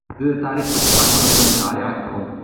زه د تاریخ په کتابتون کې مطالعه کوم.